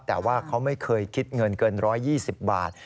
แต่ว่าเขาไม่เคยคิดเงินเกิน๑๒๐บาท